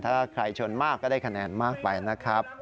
ถ้าใครชนมากก็ได้คะแนนมากไปนะครับ